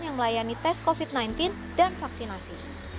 yang melayani tes covid sembilan belas dan vaksinasi